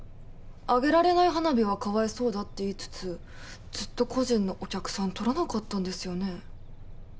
上げられない花火はかわいそうだって言いつつずっと個人のお客さん取らなかったんですよね？